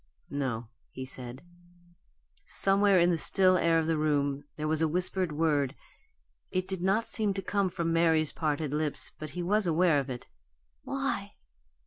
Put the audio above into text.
"No," he said. Somewhere in the still air of the room there was a whispered word; it did not seem to come from Mary's parted lips, but he was aware of it. "Why?"